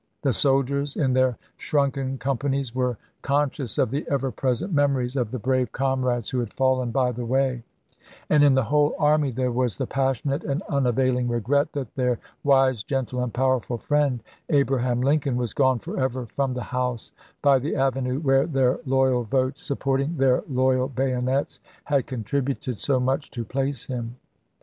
The soldiers, in their shrunken companies, were con scious of the ever present memories of the brave comrades who had fallen by the way ; and in the whole army there was the passionate and unavail ing regret that their wise, gentle, and powerful friend, Abraham Lincoln, was gone forever from the house by the avenue, where their loyal votes, supporting their loyal bayonets, had contributed so much to place him.